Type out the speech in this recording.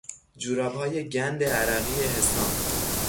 جورابهای گند عرقی حسام